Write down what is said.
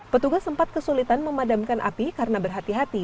petugas sempat kesulitan memadamkan api karena berhati hati